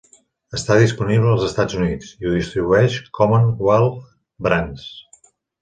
Està disponible als Estats Units i ho distribueix Commonwealth Brands.